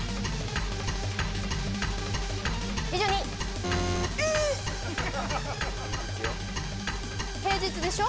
２２！平日でしょ？